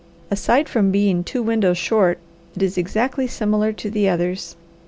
Aside from being two windows short, it is exactly similar to the others.